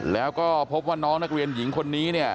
และพบว่าน้องนักเรียนหญิงคนนี้